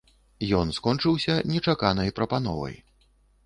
Ён скончыўся нечаканай прапановай.